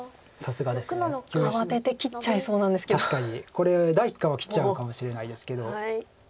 これ第一感は切っちゃうかもしれないですけど。